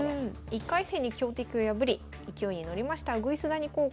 １回戦に強敵を破り勢いに乗りました鶯谷高校。